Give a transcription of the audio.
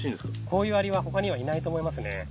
こういうアリは他にはいないと思いますね